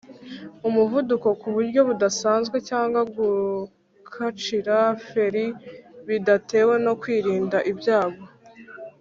umuvuduko ku buryo budasanzwe cyangwa gukacira feri bidatewe no kwirinda ibyago